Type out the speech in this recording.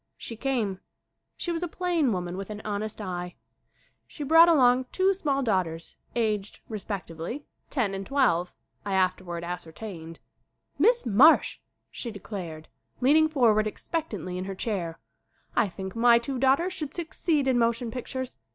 She came. She was a plain woman with an honest eye. She brought along two small SCREEN ACTING 45 daughters aged, respectively, ten and twelve, I afterward ascertained. "Miss Marsh," she declared, leaning for ward expectantly in her chair, "I think my two daughters should succeed in motion pictures.